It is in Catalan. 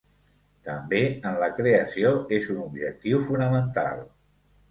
També en la creació és un objectiu fonamental.